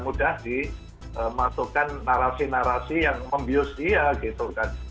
mudah dimasukkan narasi narasi yang membius dia gitu kan